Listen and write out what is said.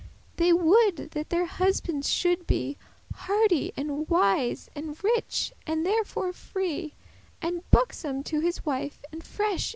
They woulde that their husbands shoulde be Hardy,* and wise, and rich, and thereto free, *brave And buxom* to his wife, and fresh in bed.